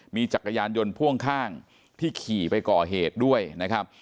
มีจักรยานยนต์พ่วงข้างที่ขี่ไปก่อเหตุด้วยนะครับ